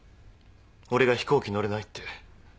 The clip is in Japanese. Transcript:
俺が飛行機乗れないって。